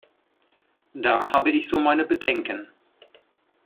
Da habe ich so meine Bedenken.